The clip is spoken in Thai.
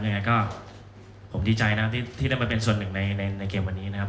ยังไงก็ผมดีใจนะที่ได้มาเป็นส่วนหนึ่งในเกมวันนี้นะครับ